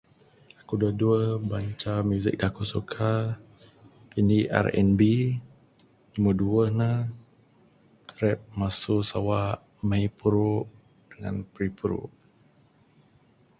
Aku adeh duweh banca music da aku suka. Indi R&B, numur duweh ne rap masu sawa mahi puru dangan pirie'e puru.